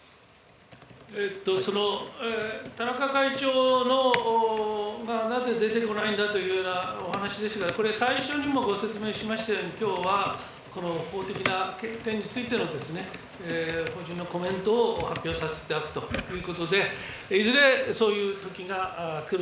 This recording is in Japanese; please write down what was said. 田中会長がなぜ出てこないんだというようなお話でしたが、これ、最初にもご説明しましたように、きょうは法的な決定についての法人のコメントを発表させていただくということで、いずれそういうときが来る。